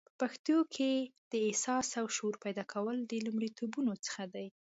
په پښتنو کې د احساس او شعور پیدا کول د لومړیتوبونو څخه دی